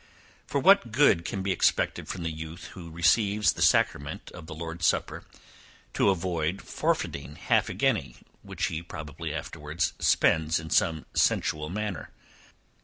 For what good can be expected from the youth who receives the sacrament of the Lord's supper, to avoid forfeiting half a guinea, which he probably afterwards spends in some sensual manner?